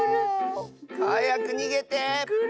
はやくにげて。